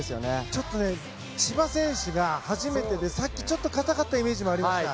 ちょっと千葉選手が初めてでさっき、ちょっと硬かったイメージがありました。